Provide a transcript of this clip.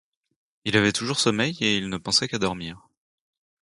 Il avait toujours sommeil et il ne pensait qu'à dormir.